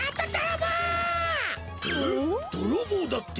どろぼうだって！？